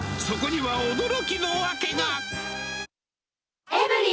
そこには驚きの訳が。